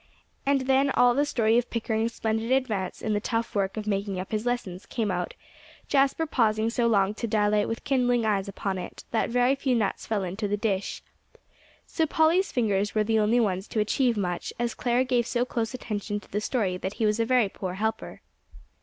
And then all the story of Pickering's splendid advance in the tough work of making up his lessons came out, Jasper pausing so long to dilate with kindling eyes upon it, that very few nuts fell into the dish. So Polly's fingers were the only ones to achieve much, as Clare gave so close attention to the story that he was a very poor helper.